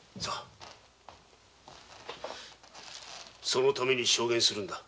そのために証言するのだ。